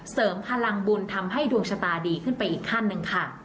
เสริมพลังบุญทำให้ดวงชะตาดีขึ้นไปอีกขั้นหนึ่งค่ะ